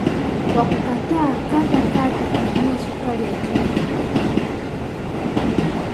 Kwa kukataa kata kata kununua sukari ya Cuba